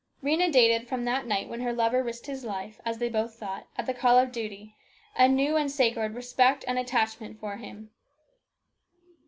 Rhena dated from that night when her lover risked his life, as they both thought, at the call of duty, a new and sacred respect and attachment for him.